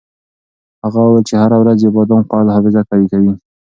هغه وویل چې هره ورځ یو بادام خوړل حافظه قوي کوي.